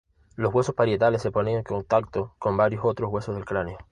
Los huesos parietales se ponen en contacto con varios otros huesos en el cráneo.